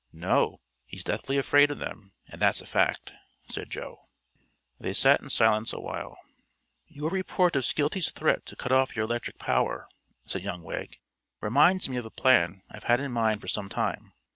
"No; he's deathly afraid of them, and that's a fact," said Joe. They sat in silence a while. "Your report of Skeelty's threat to cut off your electric power," said young Wegg, "reminds me of a plan I've had in mind for some time.